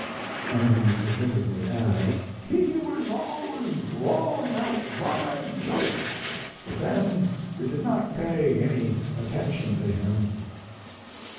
And he significantly adds "He was always drawling out dry jokes, but then we did not pay any attention to him."